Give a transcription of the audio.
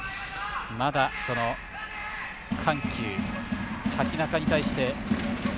まだ、その緩急、瀧中に対して。